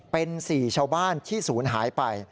เป็น๔ชาวบ้านที่ศูนย์หายไป